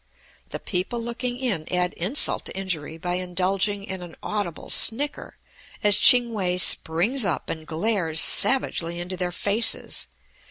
The people looking in add insult to injury by indulging in an audible snicker, as Ching We springs up and glares savagely into their faces.